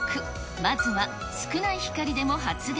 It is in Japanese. まずは少ない光でも発電。